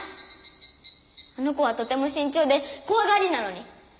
あの子はとても慎重で怖がりなのに。